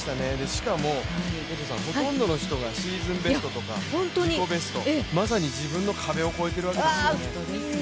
しかも、ほとんどの人がシーズンベストとか自己ベスト、まさに自分の壁を越えてるわけですよ。